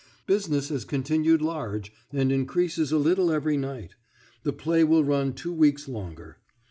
Business has continued large, and increases a little every night; the play will run two weeks longer.